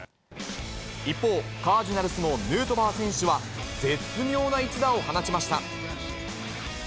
一方、カージナルスのヌートバー選手は、絶妙な一打を放ちました。